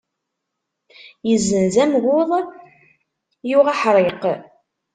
Yezzenz amgud yuɣ aḥriq.